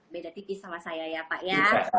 beda tipis sama saya ya pak ya